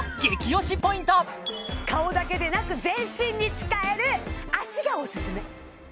顔だけでなく全身に使える脚がオススメ